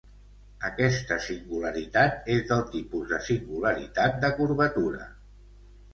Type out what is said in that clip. Aquesta singularitat és del tipus de singularitat de curvatura.